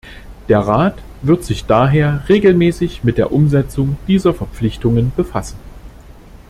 Der Rat wird sich daher regelmäßig mit der Umsetzung dieser Verpflichtungen befassen.